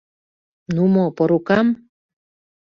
— Ну, мо, по рукам?